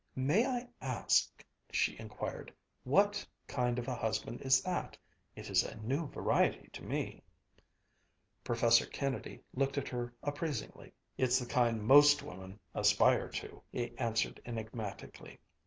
"May I ask," she inquired, "what kind of a husband is that? It is a new variety to me." Professor Kennedy looked at her appraisingly. "It's the kind most women aspire to," he answered enigmatically.